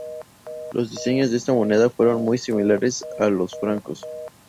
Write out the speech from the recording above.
Los diseños de estas monedas fueron muy similares a los francos.